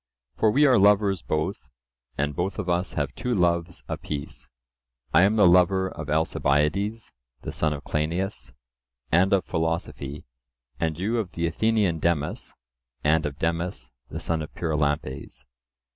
For we are lovers both, and both of us have two loves apiece:—I am the lover of Alcibiades, the son of Cleinias, and of philosophy; and you of the Athenian Demus, and of Demus the son of Pyrilampes.